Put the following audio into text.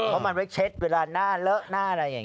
เพราะมันไว้เช็ดเวลาหน้าเลอะหน้าอะไรอย่างนี้